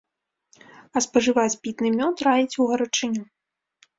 А спажываць пітны мёд раіць у гарачыню.